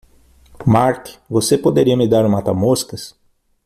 Marc, você poderia me dar o mata-moscas?